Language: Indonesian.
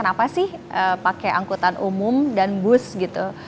kenapa sih pakai angkutan umum dan bus gitu